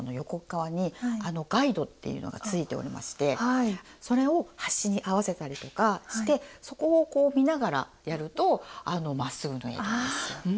かわにガイドっていうのがついておりましてそれを端に合わせたりとかしてそこをこう見ながらやるとまっすぐ縫えるんですよ。